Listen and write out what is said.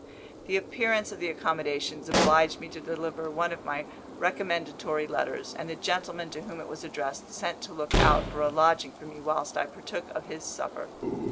The appearance of the accommodations obliged me to deliver one of my recommendatory letters, and the gentleman to whom it was addressed sent to look out for a lodging for me whilst I partook of his supper.